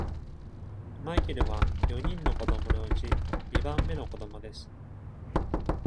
マイケルは、四人の子供のうち、二番目の子供です。